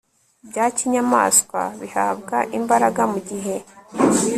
bya kinyamaswa bihabwa imbaraga mu gihe